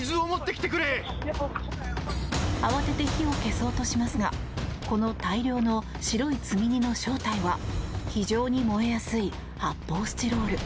慌てて火を消そうとしますがこの大量の白い積み荷の正体は非常に燃えやすい発泡スチロール。